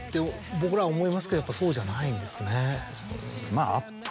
僕らは思いますけどやっぱそうじゃないんですね。